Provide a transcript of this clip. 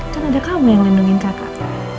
kan ada kamu yang lindungi kakak